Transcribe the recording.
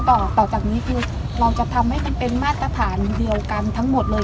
ต่อต่อจากนี้คือเราจะทำให้มันเป็นมาตรฐานเดียวกันทั้งหมดเลย